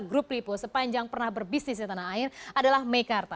grup lipo sepanjang pernah berbisnis di tanah air adalah mekarta